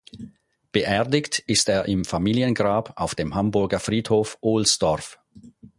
Beerdigt ist er im Familiengrab auf dem Hamburger Friedhof Ohlsdorf.